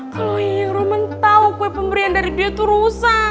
kalo yang rumah tau kue pemberian dari dia tuh rusak